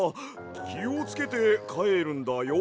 きをつけてかえるんだよ。